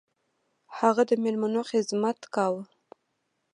هغه د میلمنو خدمت کاوه.